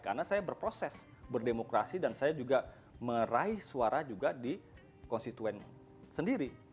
karena saya berproses berdemokrasi dan saya juga meraih suara juga di konstituen sendiri